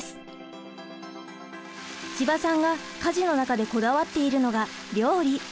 千葉さんが家事の中でこだわっているのが料理。